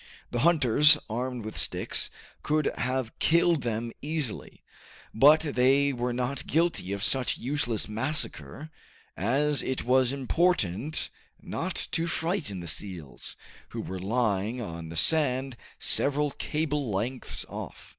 The hunters, armed with sticks, could have killed them easily, but they were not guilty of such useless massacre, as it was important not to frighten the seals, who were lying on the sand several cable lengths off.